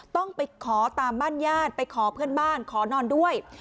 ต้องไปขอตามบ้านญาติไปขอเพื่อนบ้านขอนอนด้วย